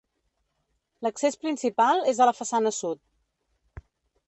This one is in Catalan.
L'accés principal és a la façana sud.